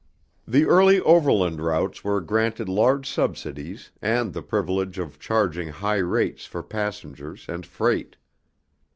The early overland routes were granted large subsidies and the privilege of charging high rates for passengers and freight.